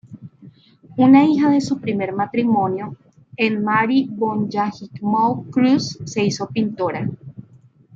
Una hija de su primer matrimonio, Annemarie von Jakimow-Kruse, se hizo pintora.